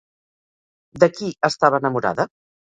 De qui estava enamorada?